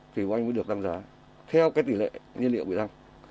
thì của anh mới được tăng giá theo cái tỷ lệ nhiên liệu bị tăng